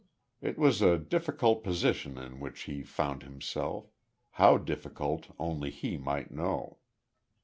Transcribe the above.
It was a difficult position in which he found himself how difficult only he might know.